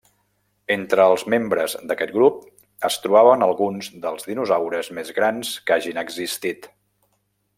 Entre els membres d'aquest grup es trobaven alguns dels dinosaures més grans que hagin existit.